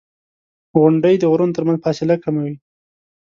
• غونډۍ د غرونو ترمنځ فاصله کموي.